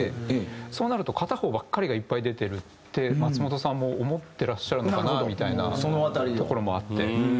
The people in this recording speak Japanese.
そうなると片方ばっかりがいっぱい出てるって松本さんも思ってらっしゃるのかなみたいなところもあって。